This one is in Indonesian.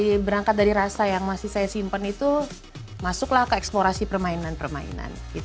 berangkat dari rasa yang masih saya simpen itu masuklah ke eksplorasi permainan permainan